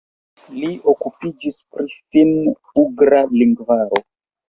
Li okupiĝis pri finn-ugra lingvaro.